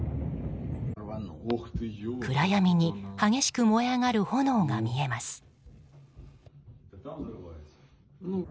暗闇に激しく燃え上がる炎が見えます。